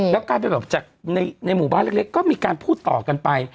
แล้วกลายเป็นแบบจากในหมู่บ้านเล็กก็มีการพูดต่อกันไป